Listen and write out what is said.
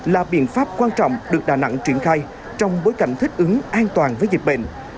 là biện pháp quan trọng được đà nẵng triển khai trong bối cảnh thích ứng an toàn với dịch bệnh